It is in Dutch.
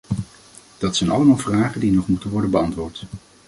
Dat zijn allemaal vragen die nog moeten worden beantwoord.